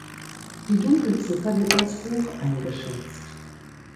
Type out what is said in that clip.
Die Dunkelziffer wird als hoch eingeschätzt.